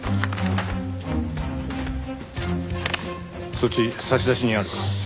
そっち差出人あるか？